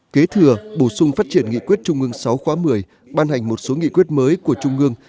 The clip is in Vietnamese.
kế thừa bổ sung phát triển nghị quyết trung ương sáu khóa một mươi ban hành một số nghị quyết mới của trung ương